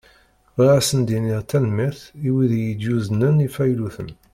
Bɣiɣ ad asen-iniɣ tanemmirt i wid i yi-d-yuznen ifayluten.